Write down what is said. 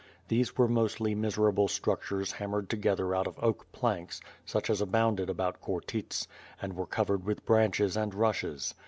These were mostly miserable structures hammered together out of oak planks, such as abounded about Khortyts, and were covered with branches and rushes.